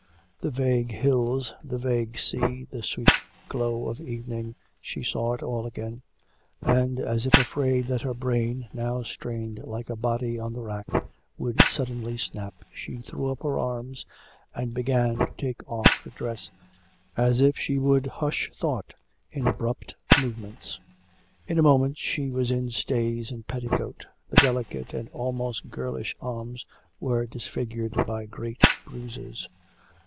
The vague hills, the vague sea, the sweet glow of evening she saw it all again. And as if afraid that her brain, now strained like a body on the rack, would suddenly snap, she threw up her arms, and began to take off her dress, as if she would hush thought in abrupt movements. In a moment she was in stays and petticoat. The delicate and almost girlish arms were disfigured by great bruises.